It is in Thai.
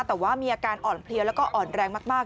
แต่ว่ามีอาการอ่อนเพลียแล้วก็อ่อนแรงมาก